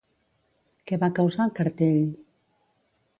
Què va causar el cartell?